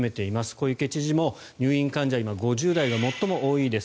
小池知事も入院患者は今、５０代が最も多いです。